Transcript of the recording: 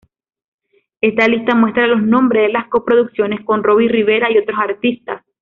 Esta lista muestra los nombres de las coproducciones con Robbie Rivera y otros artistas.